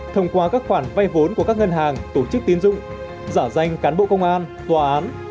thông qua các khoản vay vốn của các ngân hàng tổ chức tiến dụng giả danh cán bộ công an tòa án